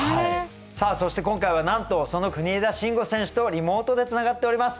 さあそして今回はなんとその国枝慎吾選手とリモートでつながっております。